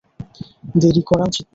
দেরি করা উচিত না।